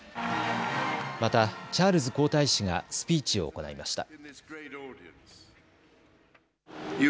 またチャールズ皇太子がスピーチを行いました。